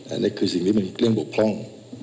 อันนี้คือสิ่งที่มันเรื่องบกพร่อง